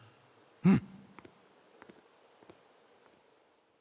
うん。